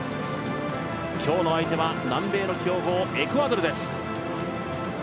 今日の相手は南米の強豪エクアドルです。